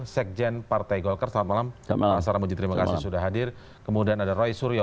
sekjen partai golkar selamat malam pak saramuji terima kasih sudah hadir kemudian ada roy suryo